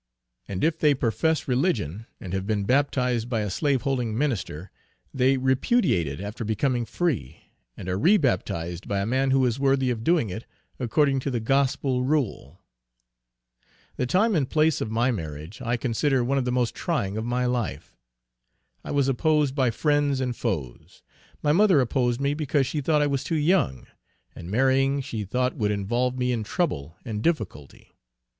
And if they profess religion, and have been baptized by a slaveholding minister, they repudiate it after becoming free, and are re baptized by a man who is worthy of doing it according to the gospel rule. The time and place of my marriage, I consider one of the most trying of my life. I was opposed by friends and foes; my mother opposed me because she thought I was too young, and marrying she thought would involve me in trouble and difficulty.